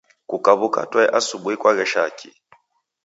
Kukaw'uka toe asubuhi kwaghesha kii?